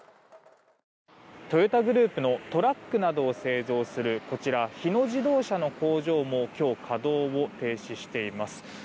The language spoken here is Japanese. トヨタグループのトラックなどを製造するこちら、日野自動車の工場も今日、稼働を停止しています。